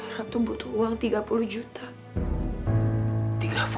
ratu butuh uang tiga puluh juta